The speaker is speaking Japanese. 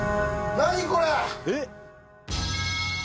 えっ？